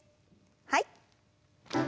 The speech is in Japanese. はい。